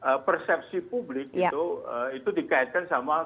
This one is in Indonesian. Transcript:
karena persepsi publik itu dikaitkan sama keinginan